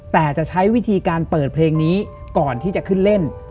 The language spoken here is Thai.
แต่จะใช้วิธีการเปิดเพลงนี้ก่อนที่จะขึ้นเล่น